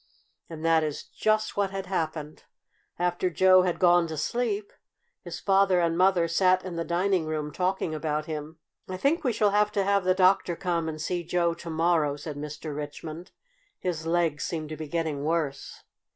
And that is just what had happened. After Joe had gone to sleep his father and mother sat in the dining room talking about him. "I think we shall have to have the doctor come and see Joe to morrow," said Mr. Richmond. "His legs seem to be getting worse."